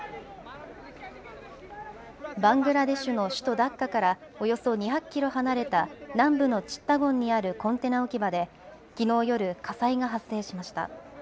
バングラデシュの首都ダッカからおよそ２００キロ離れた南部のチッタゴンにあるコンテナ置き場できのう夜、火災が発生しました。